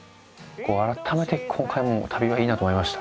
あらためて今回も旅はいいなと思いました。